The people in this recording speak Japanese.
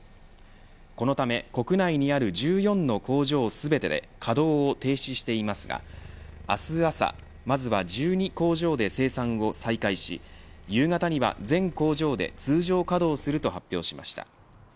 このため国内にある１４の工場全てで稼働を停止していますが明日朝、まずは１２工場で生産を再開し夕方には全工場で通常稼働すると発表しました。